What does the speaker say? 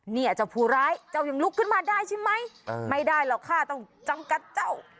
เนี่ยเจ้าผู้ร้ายเจ้ายังลุกขึ้นมาได้ใช่ไหมไม่ได้หรอกค่ะต้องจำกัดเจ้า